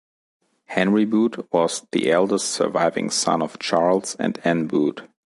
Henry Boot was the eldest surviving son of Charles and Ann Boot.